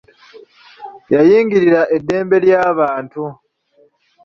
Yayingirira eddembe ly'abantu.